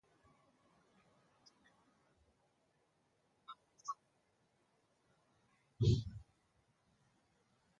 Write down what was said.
Jackson died insane at McLean Asylum in Belmont, Massachusetts.